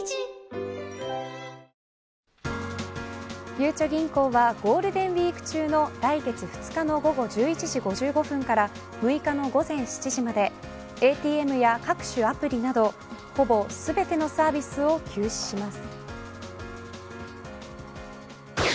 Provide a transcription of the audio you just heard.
ゆうちょ銀行はゴールデンウイーク中の来月２日の午後１１時５５分から６日の午前７時までＡＴＭや各種アプリなどほぼ全てのサービスを休止します。